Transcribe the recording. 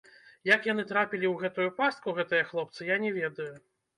Як яны трапілі ў гэтую пастку, гэтыя хлопцы, я не ведаю.